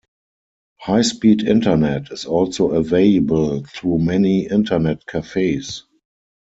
High-speed Internet is also available through many Internet cafes.